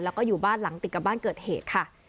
แล้วก็อยู่บ้านหลังติดกับบ้านเกิดเหตุค่ะ